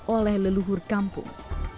oleh leluhur kampung